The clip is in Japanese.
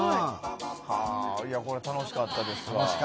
楽しかったですわ。